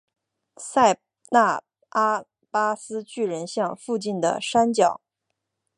塞那阿巴斯巨人像附近的山脚。